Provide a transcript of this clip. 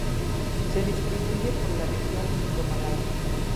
Se distribuye por la región indomalaya.